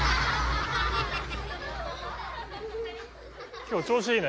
今日調子いいね。